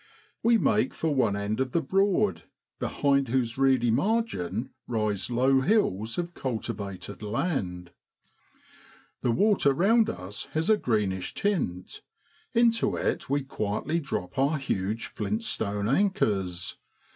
We make for one end of the Broad, behind whose reedy margin rise low hills of cultivated land. The water round us has a greenish tint ; into it we quietly drop our huge flint stone anchors.